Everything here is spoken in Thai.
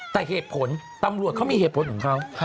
แต่เหตุผลตำรวจเขามีเหตุผลของเขา